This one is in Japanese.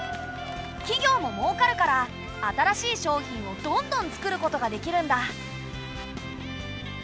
企業ももうかるから新しい商品をどんどん作ることができるんだ。